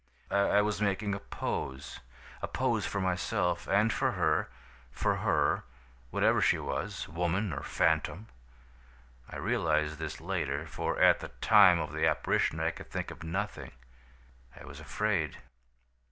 I was making a pose, a pose for myself, and for her, for her, whatever she was, woman, or phantom. I realized this later, for at the time of the apparition, I could think of nothing. I was afraid.